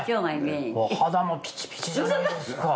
お肌もピチピチじゃないですか。